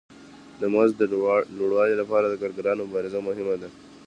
د مزد د لوړوالي لپاره د کارګرانو مبارزه مهمه ده